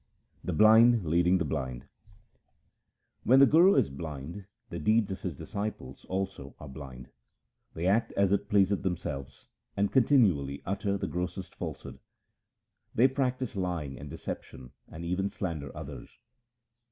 The blind leading the blind :— When the guru is blind, the deeds of his disciples also are blind ; They act as it pleaseth themselves and continually utter the grossest falsehood ; They practiss lying and deception and ever slander others.